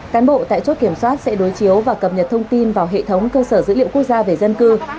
cán bộ tại chốt kiểm soát sẽ đối chiếu và cập nhật thông tin vào hệ thống cơ sở dữ liệu quốc gia về dân cư